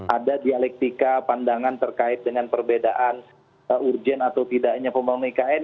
ada dialektika pandangan terkait dengan perbedaan urgen atau tidaknya pembangunan ikn